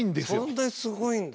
本当にすごいんだ。